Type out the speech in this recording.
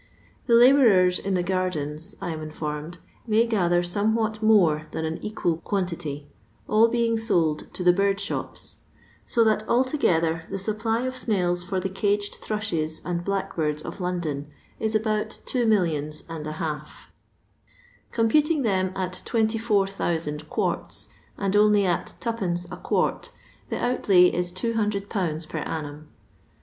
The labourers m the gardens, I am informed, may gather somewhat more than an equal quantity, — all being eold to the bird shops ; so that altogether the supply of snails for the caged thrushes and blackbirds of London is about two millions and a hall Com puting them at 24,000 quarts, and only at 2d i quart, the ontUy is 200/. per annum.